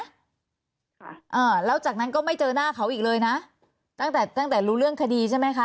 ค่ะอ่าแล้วจากนั้นก็ไม่เจอหน้าเขาอีกเลยนะตั้งแต่ตั้งแต่รู้เรื่องคดีใช่ไหมคะ